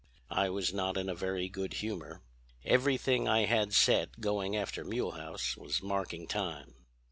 "I was not in a very good humor. Everything I had set going after Mulehaus was marking time.